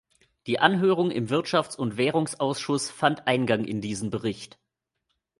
Die Anhörung im Wirtschafts- und Währungsausschuss fand Eingang in diesen Bericht.